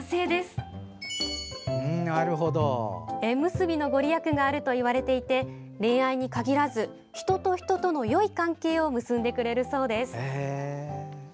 縁結びの御利益があるといわれていて恋愛に限らず、人と人とのよい関係を結んでくれるそうです。